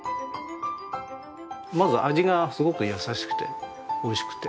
まず味がすごく優しくておいしくて。